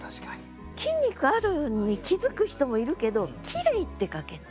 筋肉あるのに気づく人もいるけど「きれい」って書けない。